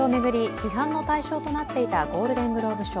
批判の対象となっていたゴールデン・グローブ賞。